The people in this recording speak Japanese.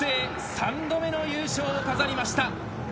３度目の優勝を飾りました。